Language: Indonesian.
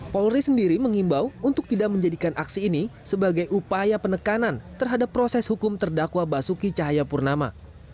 polri sendiri mengimbau untuk tidak menjadikan aksi ini sebagai upaya penekanan terhadap proses hukum terdakwa basuki cahayapurnama